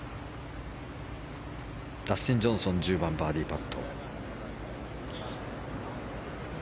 ダスティン・ジョンソン１０番、バーディーパット。